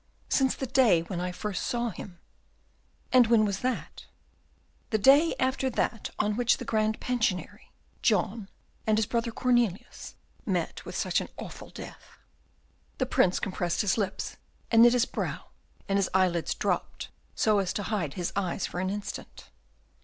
"Since the day when I first saw him." "And when was that?" "The day after that on which the Grand Pensionary John and his brother Cornelius met with such an awful death." The Prince compressed his lips, and knit his brow and his eyelids dropped so as to hide his eyes for an instant.